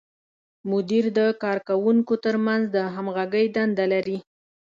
مدیر د کارکوونکو تر منځ د همغږۍ دنده لري.